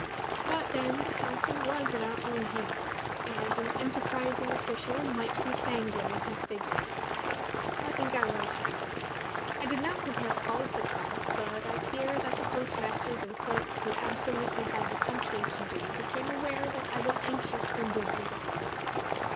But then the counting was in our own hands, and an enterprising official might be sanguine in his figures. I think I was sanguine. I did not prepare false accounts; but I fear that the postmasters and clerks who absolutely had the country to do became aware that I was anxious for good results.